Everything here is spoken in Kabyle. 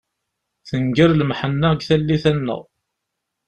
Tenger lemḥenna deg tallit-a-nneɣ.